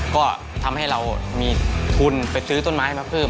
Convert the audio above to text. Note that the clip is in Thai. ก็ทำให้เรามีทุนไปซื้อต้นไม้มาเพิ่ม